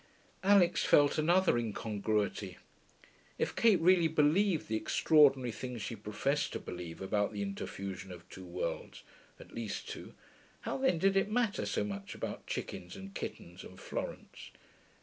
Alix felt another incongruity. If Kate really believed the extraordinary things she professed to believe about the interfusion of two worlds (at least two), how then did it matter so much about chickens and kittens and Florence?